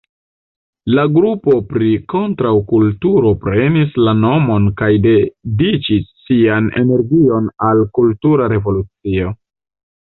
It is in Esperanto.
La grupo pri kontraŭkulturo prenis la nomon kaj dediĉis sian energion al "kultura revolucio".